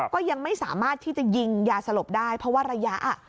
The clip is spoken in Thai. ก็ยังไม่สามารถที่จะยิงยาสลบได้เพราะว่าระยะอ่ะ